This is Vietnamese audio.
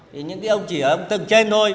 thì những ông chỉ ở tầng trên thôi